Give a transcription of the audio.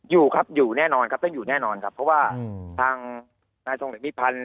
อยู่ครับอยู่แน่นอนครับต้องอยู่แน่นอนครับเพราะว่าทางนายทรงเดชมีพันธ์